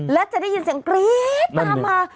และจะได้ยินเสียงกรี๊ดตามมา